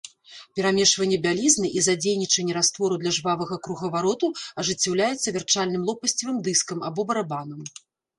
Перамешванне бялізны і задзейнічанне раствору для жвавага кругавароту ажыццяўляецца вярчальным лопасцевым дыскам або барабанам.